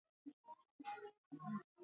Pia kuna hofu kwamba wanajeshi wa mkataba